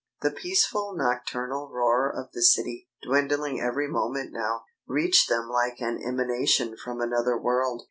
The peaceful nocturnal roar of the city, dwindling every moment now, reached them like an emanation from another world.